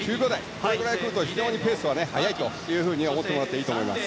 これぐらい来ると非常にペースが速いと思ってもらっていいと思います。